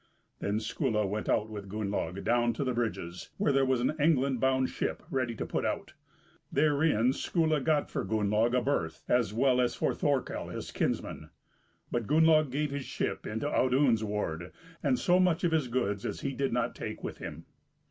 Then Skuli went out with Gunnlaug down to the bridges, where there was an England bound ship ready to put out; therein Skuli got for Gunnlaug a berth, as well as for Thorkel, his kinsman; but Gunnlaug gave his ship into Audun's ward, and so much of his goods as he did not take with him.